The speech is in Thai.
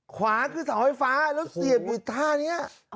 ขวาคือเสาไฟฟ้าแล้วเสียบอยู่ท่านี้